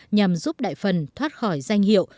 nhằm giúp đại phần thoát khỏi danh hiệu